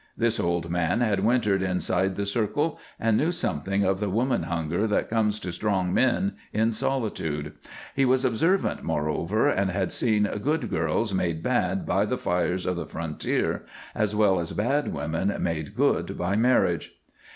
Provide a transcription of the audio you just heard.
This old man had wintered inside the circle and knew something of the woman hunger that comes to strong men in solitude. He was observant, moreover, and had seen good girls made bad by the fires of the frontier, as well as bad women made good by marriage.